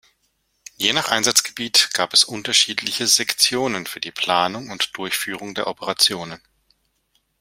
Je nach Einsatzgebiet gab es unterschiedliche Sektionen für die Planung und Durchführung der Operationen.